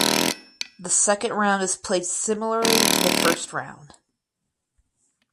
The second round is played similarly to the first round.